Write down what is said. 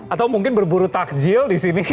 atau mungkin berburu takjil di sini